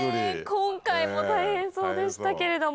今回も大変そうでしたけれども。